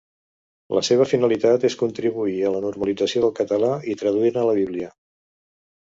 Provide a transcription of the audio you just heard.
La seva finalitat és contribuir a la normalització del català i traduir-ne la Bíblia.